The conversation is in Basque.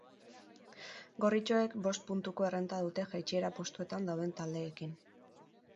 Gorritxoek bost puntuko errenta dute jaitsiera postuetan dauden taldeekin.